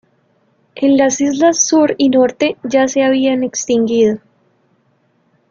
En las islas Sur y Norte ya se habían extinguido.